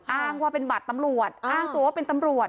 อ้างว่าเป็นบัตรตำรวจอ้างตัวว่าเป็นตำรวจ